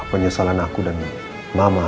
penyesalan aku dan mama